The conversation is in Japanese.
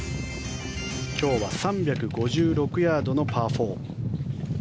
今日は３５６ヤードのパー４。